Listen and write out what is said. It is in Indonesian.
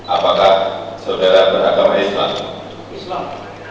apakah saudara beragama islam